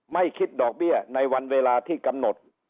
ไม่คิดดอกเบี้ยในวันเวลาที่กำหนด